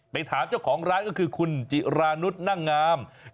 ไปถามเจ้าของร้านก็คือคุณจิรานุษย์นั่งงาม